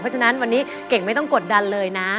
เพราะฉะนั้นวันนี้เก่งไม่ต้องกดดันเลยนะ